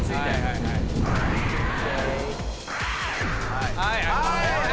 はいはい。